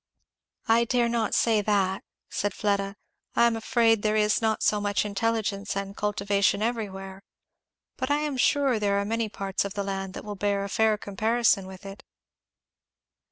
"I dare not say that," said Fleda. "I am afraid there is not so much intelligence and cultivation everywhere. But I am sure there are many parts of the land that will bear a fair comparison with it."